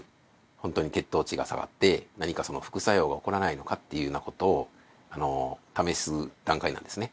本当に血糖値が下がって何か副作用が起こらないのかっていうようなことを試す段階なんですね。